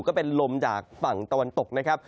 ก็เป็นลมจากฝั่งตะวันตกนะครับ